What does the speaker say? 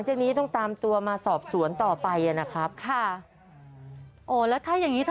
อยู่เขาถือแหละนะ